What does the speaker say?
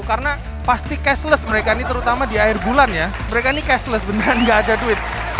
karena pasti cashless mereka ini terutama di akhir bulan ya mereka ini cashless beneran gak ada duit